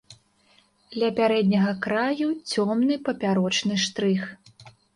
Ля пярэдняга краю цёмны папярочны штрых.